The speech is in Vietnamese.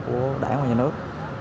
của đảng và nhà nước